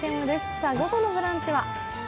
さあ、午後の「ブランチ」は？